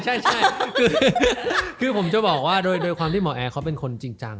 ใช่คือผมจะบอกว่าโดยความที่หมอแอร์เขาเป็นคนจริงจัง